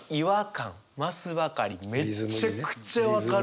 めちゃくちゃ分かる。